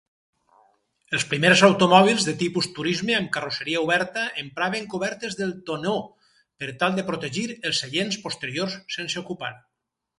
Els primers automòbils de tipus turisme amb carrosseria oberta empraven cobertes del "tonneau" per tal de protegir els seients posteriors sense ocupar.